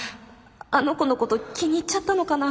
あの子のこと気に入っちゃったのかな。